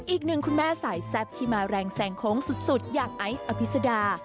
อีกหนึ่งคุณแม่สายแซ่บที่มาแรงแซงโค้งสุดอย่างไอซ์อภิษดา